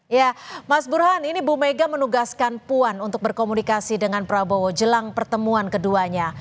ya mas burhan ini bu mega menugaskan puan untuk berkomunikasi dengan prabowo jelang pertemuan keduanya